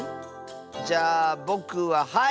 じゃあぼくははい！